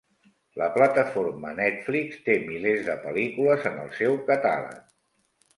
La plataforma Netflix té milers de pel·lícules en el seu catàleg.